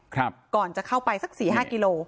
ครับก่อนจะเข้าไปสัก๔๕กิโลกรัม